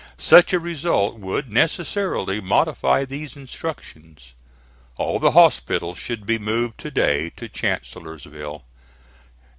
Such a result would necessarily modify these instructions. All the hospitals should be moved to day to Chancellorsville.